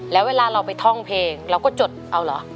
แล้วเวลาเราไปท่องเพลงเราก็จดเอาเหรอ